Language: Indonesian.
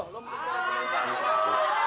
lo minta perlindungan